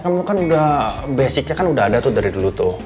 kamu kan udah basicnya kan udah ada tuh dari dulu tuh